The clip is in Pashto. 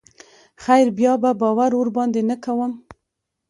خير بيا به باور ورباندې نه کوم.